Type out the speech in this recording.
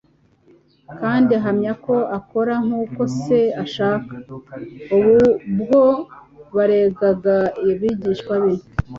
kandi ahamya ko akora nk'uko Se ashaka. Ubu bwo baregaga abigishwa be,